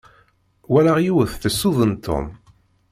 Walaɣ yiwet tessuden Tom.